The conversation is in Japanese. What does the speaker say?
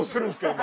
今。